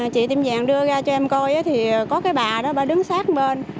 chị tiệm vàng đưa ra cho em coi thì có cái bà đó bà đứng sát bên